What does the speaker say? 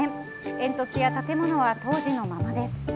煙突や建物は当時のままです。